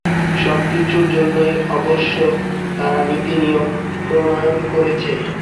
সব কিছুর জন্যই অবশ্য তারা নীতি-নিয়ম প্রণয়ন করেছে।